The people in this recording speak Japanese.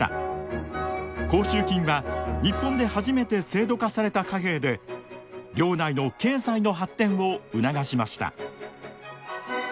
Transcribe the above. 甲州金は日本で初めて制度化された貨幣で領内の経済の発展を促しました。